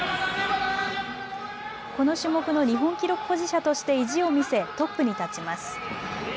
この種目の日本記録保持者として意地を見せ、トップに立ちます。